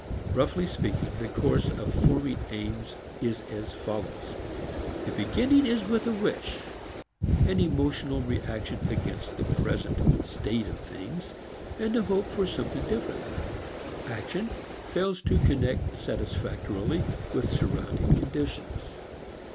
Roughly speaking, the course of forming aims is as follows. The beginning is with a wish, an emotional reaction against the present state of things and a hope for something different. Action fails to connect satisfactorily with surrounding conditions.